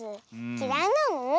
きらいなの？